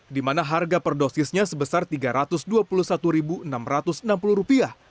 di mana harga per dosisnya sebesar rp tiga ratus dua puluh satu enam ratus enam puluh